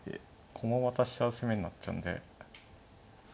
駒渡しちゃう攻めになっちゃうんで。